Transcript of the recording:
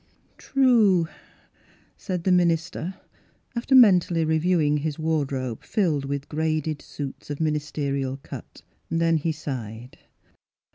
" True," said the minister, after men tally reviewing his wardrobe filled with graded suits of ministerial cut. Then he sighed.